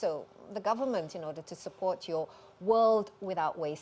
untuk mendukung perkembangan world without waste